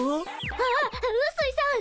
あっうすいさん